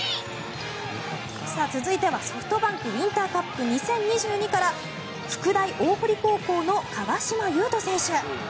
続いては、ＳｏｆｔＢａｎｋウインターカップ２０２２から福大大濠高校の川島悠翔選手。